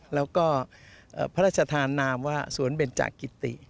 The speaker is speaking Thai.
แล้วก็พระราชทานนามว่าสวนเบนจากกิติ